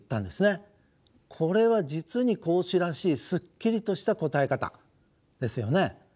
これは実に孔子らしいすっきりとした答え方ですよね。